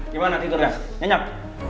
gimana tidurnya nyanyap